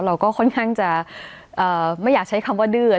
เราก็ค่อนข้างจะไม่อยากใช้คำว่าดื้อ